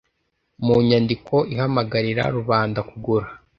mu nyandiko ihamagarira rubanda kugura